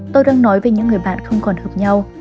tôi đang nói về những người bạn không còn hợp nhau